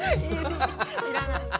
いらない。